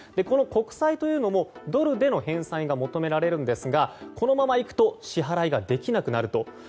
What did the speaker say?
この国債というのもドルでの返済が求められるんですがこのままいくと支払いができなくなると。